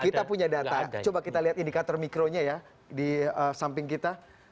kita punya data coba kita lihat indikator mikronya ya di samping kita